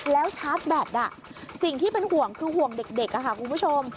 แล้วชาร์จแบตสิ่งที่เป็นห่วงคือห่วงเด็กค่ะคุณผู้ชม